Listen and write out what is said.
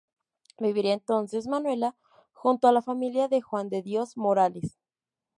Viviría entonces Manuela junto a la familia de Juan de Dios Morales.